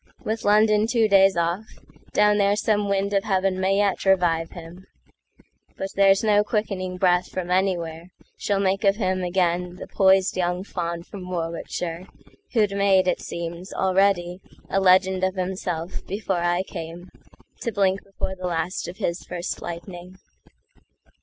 With London two days off, Down there some wind of heaven may yet revive him; But there's no quickening breath from anywhereSmall make of him again the poised young faunFrom Warwickshire, who'd made, it seems, alreadyA legend of himself before I cameTo blink before the last of his first lightning.